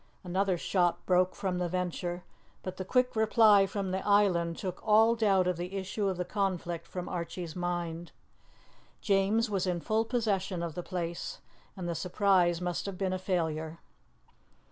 Another shot broke from the Venture, but the quick reply from the island took all doubt of the issue of the conflict from Archie's mind. James was in full possession of the place, and the surprise must have been a failure.